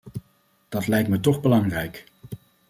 Dat lijkt me toch belangrijk.